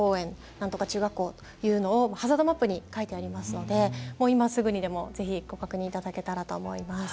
なんとか中学校というのがハザードマップに書いてありますので今すぐにでもご確認いただけたらと思います。